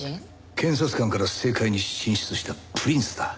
検察官から政界に進出したプリンスだ。